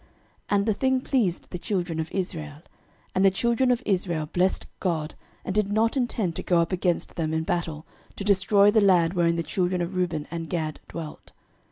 06:022:033 And the thing pleased the children of Israel; and the children of Israel blessed God, and did not intend to go up against them in battle, to destroy the land wherein the children of Reuben and Gad dwelt.